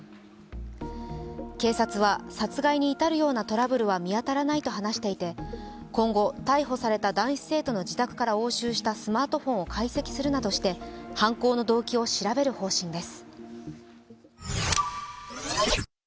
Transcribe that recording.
警察は殺害に至るようなトラブルは見当たらないと話していて今後、逮捕された男子生徒の自宅から押収したスマートフォンを解析するなどして犯行の動機を調べる方針です。